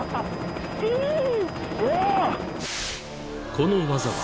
［この技は］